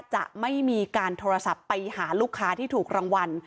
จะไม่มีการโทรศัพท์ไปหาลูกค้าที่ถูกรางวัล